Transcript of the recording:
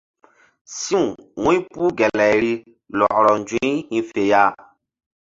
Si̧w wu̧ypuh gelayri lɔkrɔ nzu̧y hi̧ fe ya.